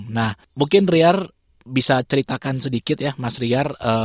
nah mungkin ria bisa ceritakan sedikit ya mas ria